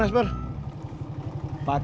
pakai helm dulu pak